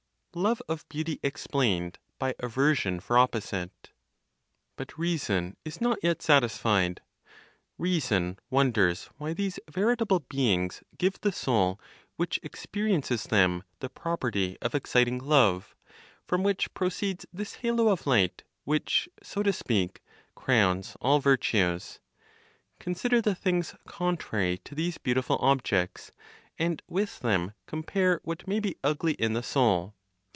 LOVE OF BEAUTY EXPLAINED BY AVERSION FOR OPPOSITE. But reason is not yet satisfied; reason wonders why these veritable beings give the soul which experiences them the property of exciting love, from which proceeds this halo of light which, so to speak, crowns all virtues. Consider the things contrary to these beautiful objects, and with them compare what may be ugly in the soul.